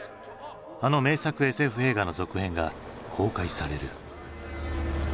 あの名作ＳＦ映画の続編が公開される。